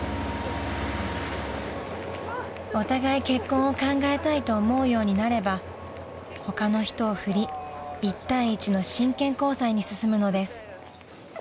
結婚を考えたいと思うようになれば他の人を振り１対１の真剣交際に進むのです］